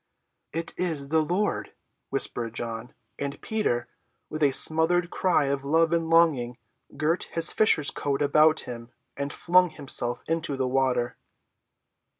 "It is the Lord," whispered John. And Peter, with a smothered cry of love and longing, girt his fisher's coat about him and flung himself into the water.